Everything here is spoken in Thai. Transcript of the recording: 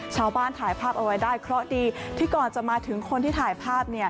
ชาวบ้านถ่ายภาพเอาไว้ได้เคราะห์ดีที่ก่อนจะมาถึงคนที่ถ่ายภาพ